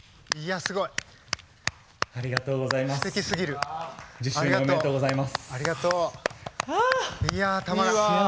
幸せですありがとうございます。